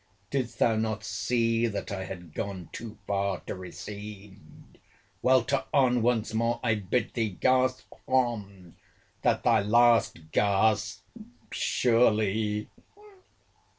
Didst thou not see, that I had gone too far to recede?—Welter on, once more I bid thee!—Gasp on!—That thy last gasp, surely!